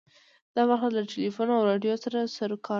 دا برخه له ټلیفون او راډیو سره سروکار لري.